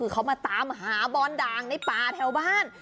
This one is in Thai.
เขามาตามหาบอนด่างในป่าแถวบ้าน